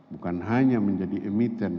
bukan hanya menjadi emiten